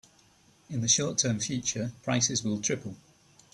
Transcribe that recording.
In the short term future, prices will triple.